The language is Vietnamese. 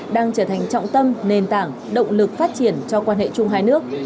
đang trở thành trọng tâm nền tảng động lực phát triển cho quan hệ chung hai nước